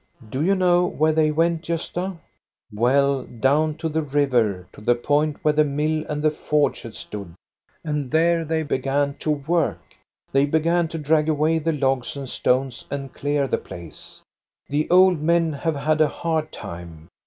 Do you know where they went, Gosta? Well, down to the river, to the point where the mill and the forge had stood, and there they began to work. They be gan to drag away the logs and stones and clear the place. The old men have had a hard time.